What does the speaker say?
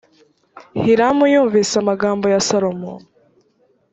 hiramu yumvise amagambo ya salomo